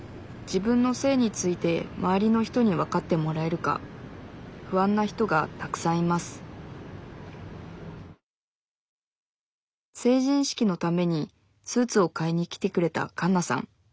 自分の性について周りの人にわかってもらえるか不安な人がたくさんいます成人式のためにスーツを買いに来てくれたカンナさん。